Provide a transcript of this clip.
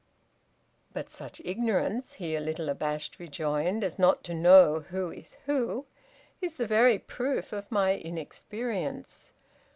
'" "But such ignorance," he a little abashed, rejoined "as not to know 'Who is who,' is the very proof of my inexperience.